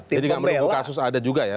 jadi gak perlu kasus ada juga ya